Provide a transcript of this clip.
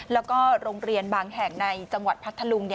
แล้วก็โรงเรียนบางแห่งในจังหวัดพัทธลุง